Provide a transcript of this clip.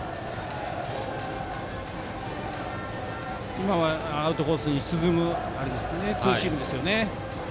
今はアウトコースに沈むツーシームですね。